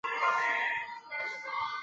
壳口为特殊的类六边形。